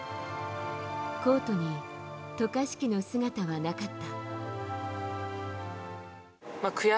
コートに渡嘉敷の姿はなかった。